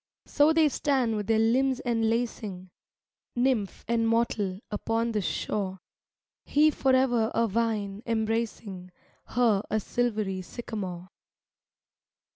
So they stand with their limbs enlacing, Nymph and mortal, upon this shore, He forever a vine embracing Her a silvery sycamore.